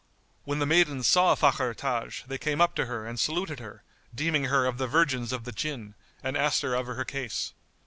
When the maidens saw Fakhr Taj, they came up to her and saluted her, deeming her of the virgins of the Jinn, and asked her of her case.